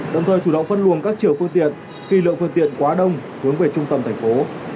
đồng thời chủ động phân luồng các chiều phương tiện khi lượng phương tiện quá đông hướng về trung tâm thành phố